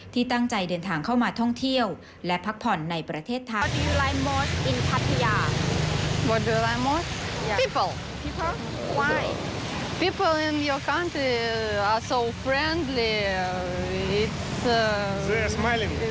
ที่ตั้งใจเดินทางเข้ามาท่องเที่ยวและพักผ่อนในประเทศไทย